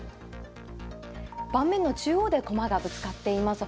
盤面の中央で駒がぶつかっています。